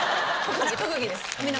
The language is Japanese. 特技です。